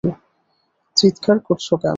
চিৎকার করছো কেন?